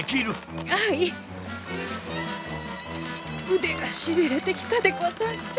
うでがしびれてきたでござんす。